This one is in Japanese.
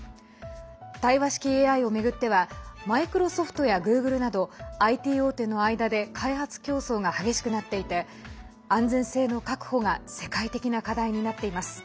対話式ＡＩを巡ってはマイクロソフトやグーグルなどＩＴ大手の間で開発競争が激しくなっていて安全性の確保が世界的な課題になっています。